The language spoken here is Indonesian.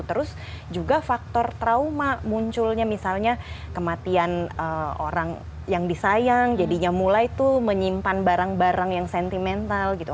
terus juga faktor trauma munculnya misalnya kematian orang yang disayang jadinya mulai tuh menyimpan barang barang yang sentimental gitu